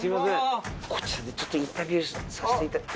こちらでちょっとインタビューさせていただいて。